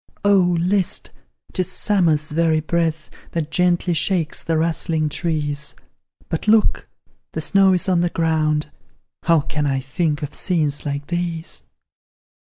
Oh, list! 'tis summer's very breath That gently shakes the rustling trees But look! the snow is on the ground How can I think of scenes like these?